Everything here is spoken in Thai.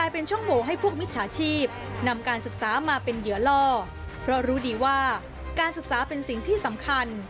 เพราะรู้ดีว่าการศึกษาเป็นสิ่งที่สำคัญ